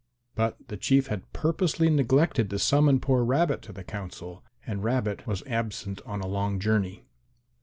But the Chief had purposely neglected to summon poor Rabbit to the council, and Rabbit was absent on a long journey.